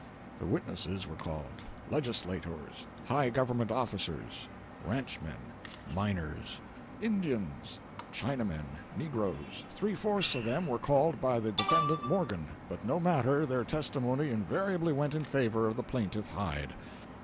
The witnesses were called—legislators, high government officers, ranchmen, miners, Indians, Chinamen, negroes. Three fourths of them were called by the defendant Morgan, but no matter, their testimony invariably went in favor of the plaintiff Hyde.